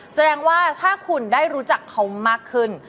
แสดงว่าถ้าคุณได้รู้จักเขามากขึ้น